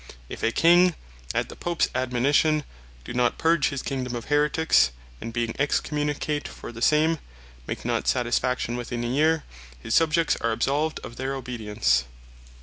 "If a King at the Popes admonition, doe not purge his Kingdome of Haeretiques, and being Excommunicate for the same, make not satisfaction within a year, his subjects are absolved of their Obedience."